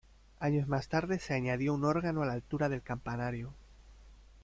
Años más tarde se añadió un órgano a la altura del campanario.